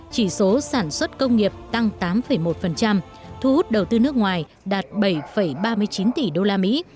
chỉ số sản xuất công nghiệp tăng tám một thu hút đầu tư nước ngoài đạt bảy ba mươi chín tỷ usd